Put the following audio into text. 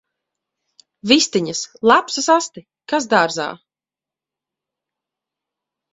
Vistiņas! Lapsas asti! Kas dārzā!